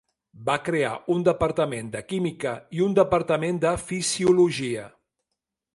Va crear un departament de química i un departament de fisiologia.